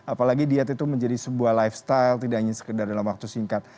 apalagi diet itu menjadi sebuah lifestyle tidak hanya sekedar dalam waktu singkat